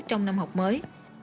trong năm học mới